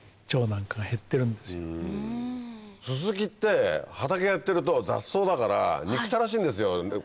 ススキって畑やってると雑草だから憎たらしいんですよ。